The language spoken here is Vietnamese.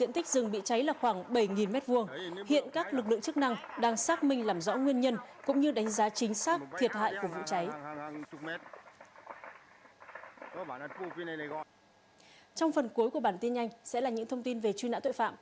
trong phần cuối của bản tin nhanh sẽ là những thông tin về truy nã tội phạm